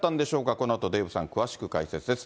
このあとデーブさん、詳しく解説です。